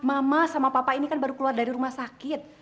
mama sama papa ini kan baru keluar dari rumah sakit